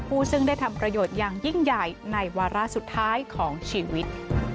ซึ่งได้ทำประโยชน์อย่างยิ่งใหญ่ในวาระสุดท้ายของชีวิต